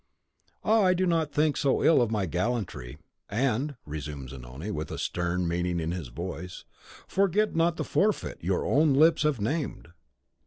"Ah, do not think so ill of my gallantry; and," resumed Zanoni, with a stern meaning in his voice, "forget not the forfeit your own lips have named."